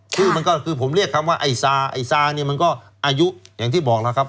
ชื่อมันก็คือผมเรียกคำว่าไอ้ซาไอ้ซาเนี่ยมันก็อายุอย่างที่บอกแล้วครับ